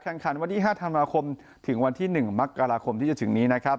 ขันวันที่๕ธันวาคมถึงวันที่๑มกราคมที่จะถึงนี้นะครับ